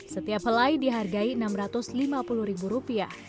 setiap helai dihargai rp enam ratus lima puluh